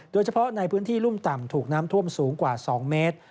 โดยเฉพาะในพื้นที่รุ่มต่ำถูกน้ำท่วมสูงกว่า๒เมตร